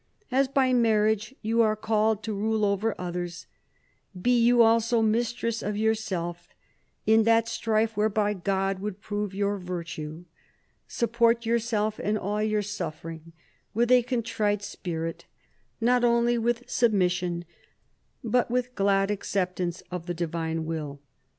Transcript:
As by marriage you are called to rule over others, be you also mistress of yourself, in that strife whereby God would prove your virtue. Support yourself in all your suffering with a contrite spirit, not only with submission but with glad acceptance of the Divine Will.